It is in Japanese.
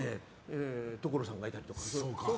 所さんがいたりとか。